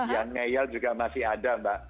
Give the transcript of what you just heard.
yang ngeyel juga masih ada mbak